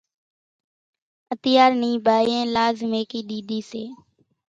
اتيار نيئين ٻايئين لاز ميڪِي ۮيڌِي سي۔